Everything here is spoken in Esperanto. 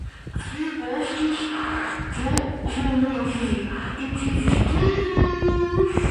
Ŝi mortis pro ĥolero.